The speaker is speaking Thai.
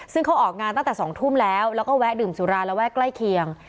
ซึ่งเขาออกงานตั้งแต่๒ทุ่มแล้วแล้วก็แวะดื่มสุราระแวกใกล้เคียง